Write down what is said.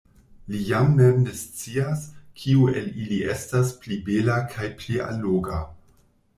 Li jam mem ne scias, kiu el ili estas pli bela kaj pli alloga.